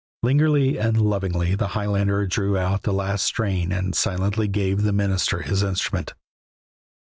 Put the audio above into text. Lingeringly and lovingly the Highlander drew out the last strain and silently gave the minister his instrument.